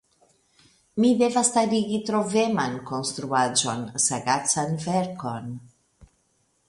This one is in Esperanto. Mi devas starigi troveman konstruaĵon, sagacan verkon.